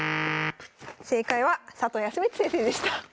正解は佐藤康光先生でした。